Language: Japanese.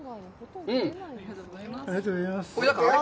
ありがとうございます。